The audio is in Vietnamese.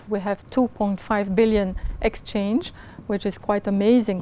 kết hợp các hệ thống